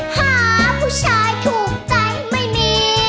หาผู้ชายถูกใจไม่มี